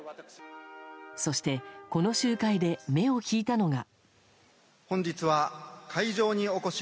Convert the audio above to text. そして、この集会で目を引いたのが。